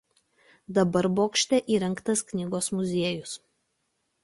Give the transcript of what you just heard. Dabar bokšte įrengtas knygos muziejus.